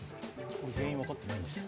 原因、分かってないんですか？